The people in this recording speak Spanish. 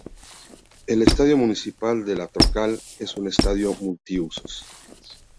El Estadio Municipal de La Troncal es un estadio multiusos.